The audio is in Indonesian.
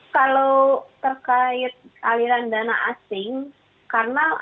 kalau terkait aliran dana asing karena ada perubahan